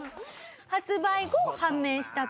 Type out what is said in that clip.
発売後判明したと。